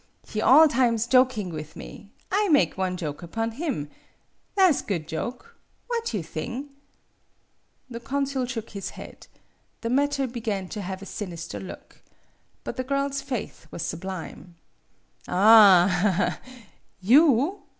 He all times joking with me; I make one joke upon him. Tha' 's good joke. What you thing?" 60 MADAME BUTTERFLY The consul shook his head. The matter began to have a sinister look. But the girl's faith was sublime. "Ah h h! You?"